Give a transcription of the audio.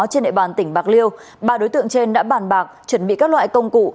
trên địa bàn tỉnh bạc liêu ba đối tượng trên đã bàn bạc chuẩn bị các loại công cụ